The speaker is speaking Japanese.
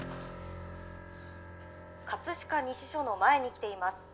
葛飾西署の前に来ています。